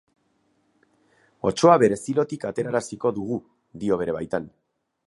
Otsoa bere zilotik ateraraziko dugu dio bere baitan.